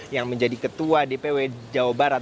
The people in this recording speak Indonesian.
yang menjadi ketua dpw jawa barat